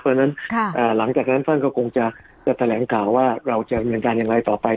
เพราะฉะนั้นหลังจากนั้นท่านก็คงจะแถลงข่าวว่าเราจะดำเนินการอย่างไรต่อไป